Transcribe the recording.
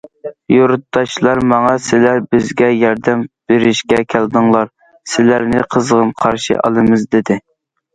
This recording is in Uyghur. يۇرتداشلار ماڭا: سىلەر بىزگە ياردەم بېرىشكە كەلدىڭلار، سىلەرنى قىزغىن قارشى ئالىمىز، دېدى.